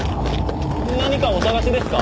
何かお探しですか？